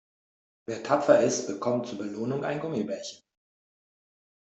Wer tapfer ist, bekommt zur Belohnung ein Gummibärchen.